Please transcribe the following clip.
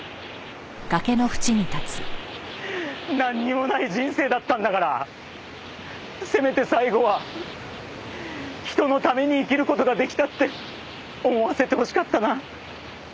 なんにもない人生だったんだからせめて最後は人のために生きる事が出来たって思わせてほしかったな。